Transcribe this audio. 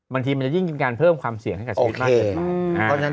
บางทีมันจะยิ่งเต้นกันเพิ่มความเสี่ยงให้การซื้อความใหญ่